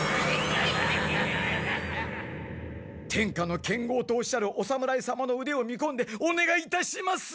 天下の剣豪とおっしゃるお侍様の腕を見こんでおねがいいたします！